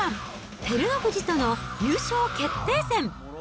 照ノ富士との優勝決定戦。